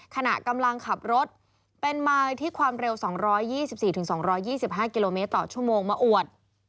ขณะกำลังขับรถเป็นมายที่ความเร็ว๒๒๔๒๒๕กิโลเมตรต่อชั่วโมงมาอวด